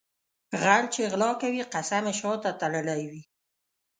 غل چې غلا کوي قسم یې شاته تړلی وي.